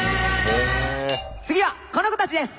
次はこの子たちです！